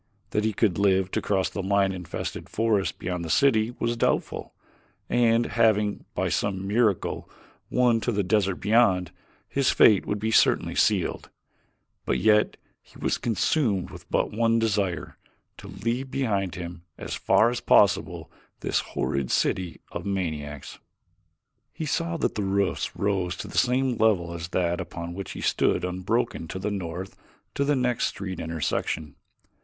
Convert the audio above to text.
That he could live to cross the lion infested forest beyond the city was doubtful, and having, by some miracle, won to the desert beyond, his fate would be certainly sealed; but yet he was consumed with but one desire to leave behind him as far as possible this horrid city of maniacs. He saw that the roofs rose to the same level as that upon which he stood unbroken to the north to the next street intersection.